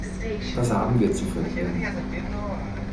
Was haben wir zu verlieren?